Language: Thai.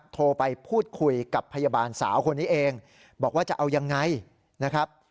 โทรไปพูดคุยกับพยาบาลสาวคนนี้เองบอกว่าจะเอายังไงนะครับ